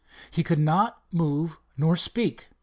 He could not move nor speak.